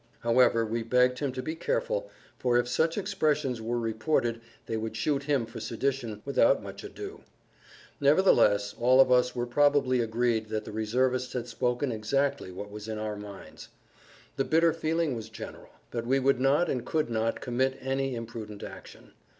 However, we begged him to be careful, for if such expressions were reported they would shoot him for sedition without much ado. Nevertheless all of us were probably agreed that the reservist had spoken exactly what was in our minds. The bitter feeling was general, but we would not and could not commit any imprudent action.